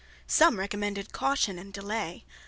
Some recommended caution and delay.